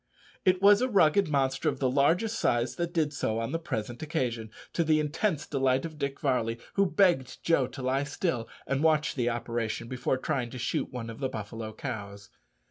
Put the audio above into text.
It was a rugged monster of the largest size that did so on the present occasion, to the intense delight of Dick Varley, who begged Joe to lie still and watch the operation before trying to shoot one of the buffalo cows.